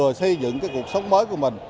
và xây dựng cuộc sống mới của mình